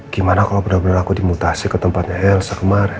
gimana kalau benar benar aku dimutasi ke tempatnya elsa kemarin